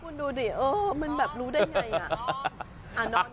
คุณดูดิเออมันแบบรู้ได้ไง